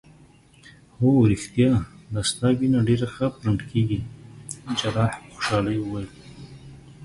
هو ریښتیا دا ستا وینه ډیره ښه پرنډ کیږي. جراح په خوشحالۍ وویل.